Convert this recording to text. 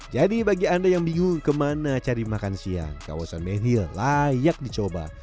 jadi bagi anda yang bingung kemana cari makanan siang kawasan benhil layak dicoba